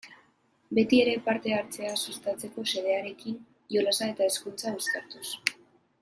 Beti ere parte-hartzea sustatzeko xedearekin, jolasa eta hezkuntza uztartuz.